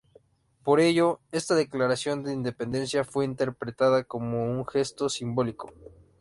Por ello, esta declaración de independencia fue interpretada como un gesto simbólico.